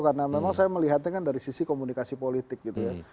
karena memang saya melihatnya kan dari sisi komunikasi politik gitu ya